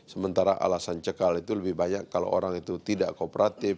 sementara alasan cekal itu lebih banyak kalau orang itu tidak kooperatif